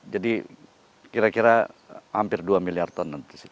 jadi kira kira hampir dua miliar ton nanti sih